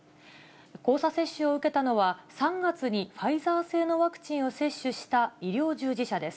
交差接種を受けたのは、３月にファイザー製のワクチンを接種した医療従事者です。